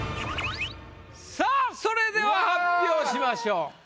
さぁそれでは発表しましょう。